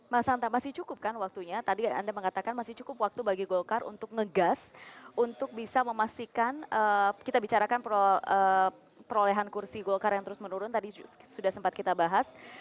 mas hanta masih cukup kan waktunya tadi anda mengatakan masih cukup waktu bagi golkar untuk ngegas untuk bisa memastikan kita bicarakan perolehan kursi golkar yang terus menurun tadi sudah sempat kita bahas